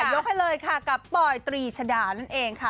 ยกให้เลยค่ะกับปอยตรีชดานั่นเองค่ะ